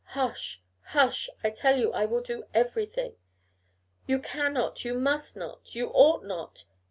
Hush! hush! I tell you I will do everything.' 'You cannot; you must not; you ought not!